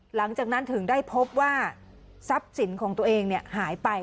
หลังจากนั้นถึงได้พบว่าทรัพย์สินของตัวเองหายไป